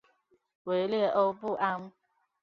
维列欧布安。